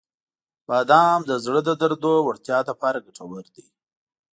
• بادام د زړه د دردو وړتیا لپاره ګټور دي.